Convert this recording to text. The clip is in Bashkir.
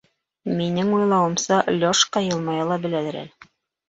Минең уйлауымса, Лёшка йылмая ла беләлер әле.